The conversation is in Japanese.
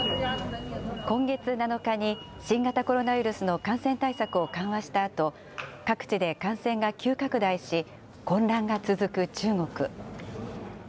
今月７日に新型コロナウイルスの感染対策を緩和したあと、各地で感染が急拡大し、混乱が続く中国。